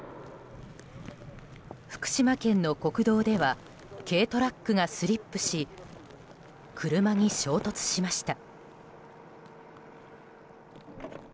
福島県の国道では軽トラックがスリップし車に衝突しました。